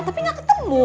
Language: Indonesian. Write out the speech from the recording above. tapi gak ketemu